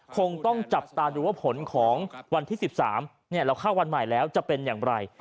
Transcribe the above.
คงต้องจับตาดูว่าผลของวันที่๑๓เราเข้าวันใหม่แล้วจะเป็นอย่างไร